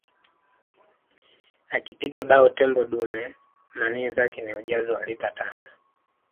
Akipiga bao tembo dume manii zake ni ujazo wa lita tano